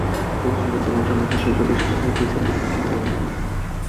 পশ্চিমের রোমান সাম্রাজ্যের শিল্পের বেশির ভাগই গ্রিসের নমুনায় বা নমুনা থেকে নেয়া।